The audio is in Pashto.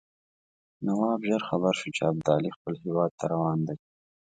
نواب ژر خبر شو چې ابدالي خپل هیواد ته روان دی.